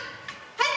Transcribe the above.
はい！